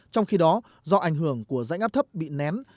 trong khi đó do ảnh hưởng của rãnh áp thấp bị nén